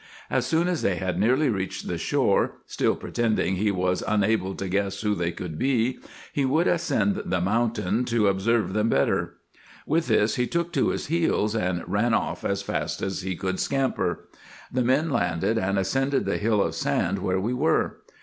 As soon as they had nearly reached the shore, still pretending he was unable to guess who they could be, he would ascend the mountain to observe IN EGYPT, NUBIA, &c. 209 them better. With this lie took to his heels, and ran off as fast as he could scamper. The men landed, and ascended the hill of sand where we were.